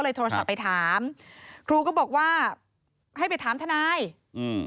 โทรศัพท์ไปถามครูก็บอกว่าให้ไปถามทนายอืม